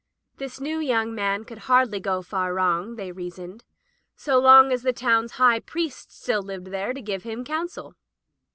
This new young man could hardly go far wrong, they reasoned, so long as the town's High Priest still lived there to give him counsel.